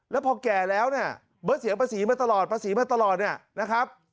แล้วพอแก่แล้วเนี่ยเบิร์ตเสียงภาษีมาตลอดภาษีมาตลอดเนี่ยนะครับ